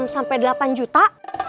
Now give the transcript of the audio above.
enam sampai delapan juta